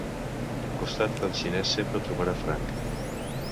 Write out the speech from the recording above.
Costat que el xinès sempre trobarà franc.